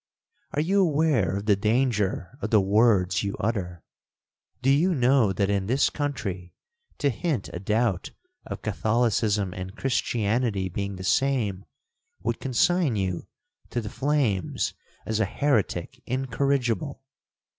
'—'Are you aware of the danger of the words you utter? Do you know that in this country to hint a doubt of Catholicism and Christianity being the same, would consign you to the flames as a heretic incorrigible?